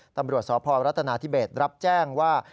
ตำรวจสพรัฐนาธิเบสรับแจ้งว่า